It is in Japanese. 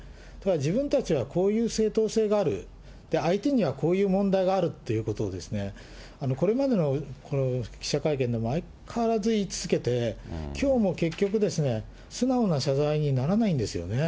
自分たちはこういう正当性がある、相手にはこういう問題があるということを、これまでの記者会見でも相変わらず言い続けて、きょうも結局、素直な謝罪にならないんですよね。